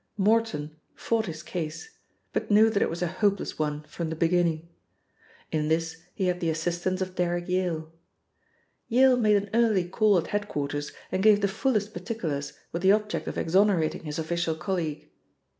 Morton fought his case, but knew that it was a hopeless one from the beginning. In this he had the assistance of Derrick Yale. Yale made an early call at head quarters and gave the fullest particulars with the object of exonerating his official colleague.